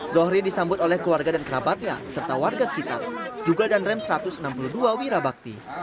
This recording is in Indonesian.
zohri disambut oleh keluarga dan kerabatnya serta warga sekitar juga dan rem satu ratus enam puluh dua wirabakti